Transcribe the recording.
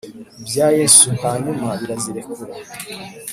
ibya Yesu hanyuma barazirekura